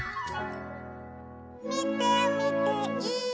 「みてみてい！」